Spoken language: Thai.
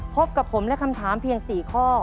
พบกับผมและคำถามเพียง๔ข้อ